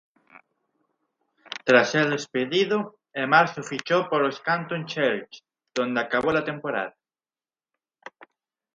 Tras ser despedido, en marzo fichó por los Canton Charge, donde acabó la temporada.